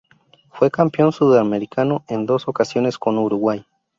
Fue campeón sudamericano en dos ocasiones con Uruguay.